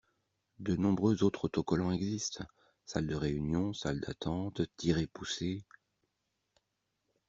De nombreux autres autocollants existent : salle de réunion, salle d’attente, tirez-poussez...